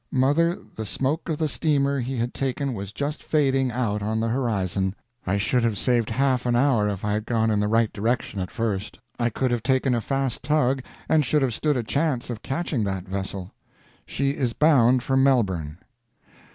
Mother, the smoke of the steamer he had taken was just fading out on the horizon! I should have saved half an hour if I had gone in the right direction at first. I could have taken a fast tug, and should have stood a chance of catching that vessel. She is bound for Melbourne.